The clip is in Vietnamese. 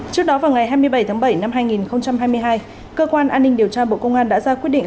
trước đó vào ngày hai mươi bảy tháng bảy năm hai nghìn hai mươi hai cơ quan an ninh điều tra bộ công an đã ra quyết định